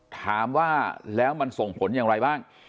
ถามว่าแล้วมันส่งผลอย่างไรบ้าง